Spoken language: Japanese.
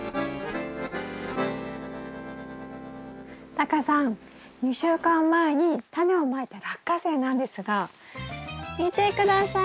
タカさん２週間前にタネをまいたラッカセイなんですが見て下さい。